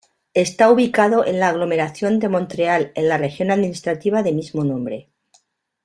Está ubicado en la aglomeración de Montreal en la región administrativa de mismo nombre.